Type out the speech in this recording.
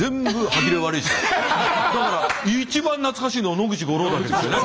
だから一番懐かしいのは野口五郎岳ですよね。